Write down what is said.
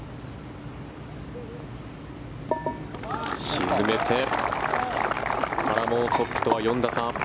沈めて原もトップとは４打差。